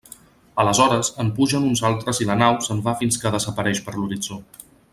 Aleshores en pugen uns altres i la nau se'n va fins que desapareix per l'horitzó.